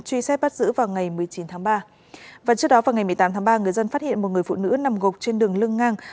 truy xét bắt giữ vào ngày một mươi chín tháng ba và trước đó vào ngày một mươi tám tháng ba người dân phát hiện một người phụ nữ nằm gục trên đường lưng ngang